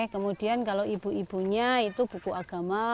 kemudian kalau ibu ibunya itu buku agama